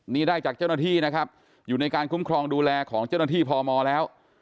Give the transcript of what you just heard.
นี่ได้จากเจ้าหน้าที่นะครับอยู่ในการคุ้มครองดูแลของเจ้าหน้าที่พมแล้ว